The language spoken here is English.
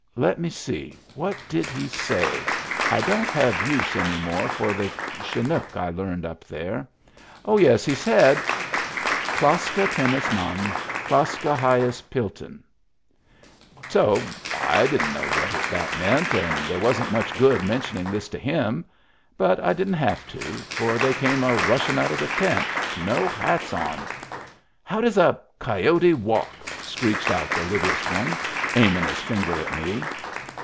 Let me see. What did he say? I don't have use any more for the Chinook I learned up there. Oh, yes I He said :—^^ Klaska tenas tnatty klaska hyas piltanr So I didn't know what that meant, and there wasn't much good mentioning this to him ; but I didn't have to, for they came a rushin' out of the tent, no hats on. " How does a coyote walk ?" screeched out the littlest one, aimin' his finger at me.